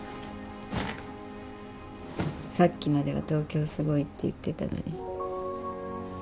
さっきまでは東京すごいって言ってたのに。